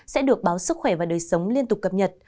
sẽ được báo sức khỏe và đời sống liên tục cập nhật